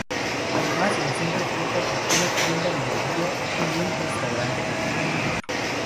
Además, el centro cuenta con una tienda-librería y un restaurante-cafetería.